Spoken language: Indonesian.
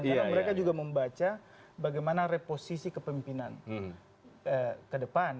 karena mereka juga membaca bagaimana reposisi kepemimpinan ke depan